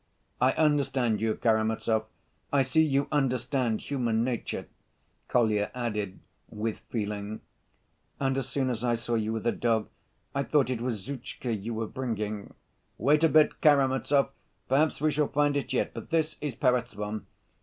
"I understand you, Karamazov. I see you understand human nature," Kolya added, with feeling. "And as soon as I saw you with a dog, I thought it was Zhutchka you were bringing." "Wait a bit, Karamazov, perhaps we shall find it yet; but this is Perezvon.